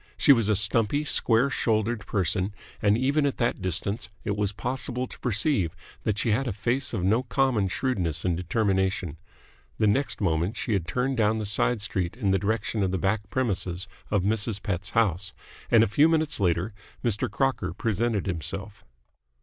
She was a stumpy, square shouldered person, and even at that distance it was possible to perceive that she had a face of no common shrewdness and determination. The next moment she had turned down the side street in the direction of the back premises of Mrs. Pett's house: and a few minutes later Mr. Crocker presented himself.